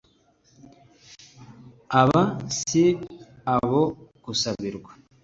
aba si abo gusabirwa